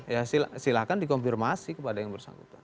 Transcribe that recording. ya silahkan dikonfirmasi kepada yang bersangkutan